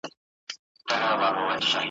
چي په خټه مو اغږلي ناپوهي او جهالت وي `